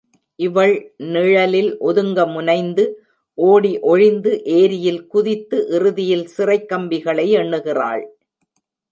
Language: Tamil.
இவள் நிழலில் ஒதுங்க முனைந்து, ஓடி ஒளிந்து ஏரியில் குதித்து, இறுதியில் சிறைக் கம்பிகளை எண்ணுகிறாள்.